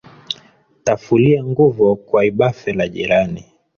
Tafulia nguvo kwa ibafe la jirani.